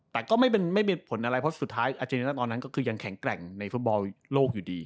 แต่ก็ไม่เป็นผลอะไรเพราะสุดท้ายอาเจเนนั่นตอนนั้นก็คือยังแข็งแกร่งในฟุตบอลโลกอยู่ดี